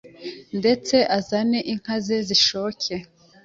ndetse azane n’ inka ze zishoke